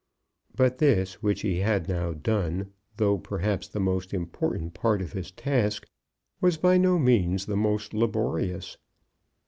But this which he had now done, though, perhaps, the most important part of his task, was by no means the most laborious.